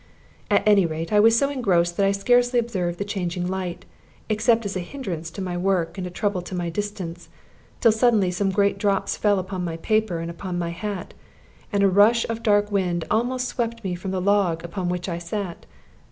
At any rate, I was so engrossed that I scarcely observed the changing light, except as a hindrance to my work and a trouble to my distance, till suddenly some great drops fell upon my paper and upon my hat, and a rush of dark wind almost swept me from the log upon which I sat.